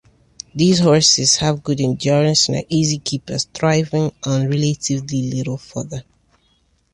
These horses have good endurance and are easy keepers, thriving on relatively little fodder.